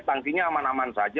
tangkinya aman aman saja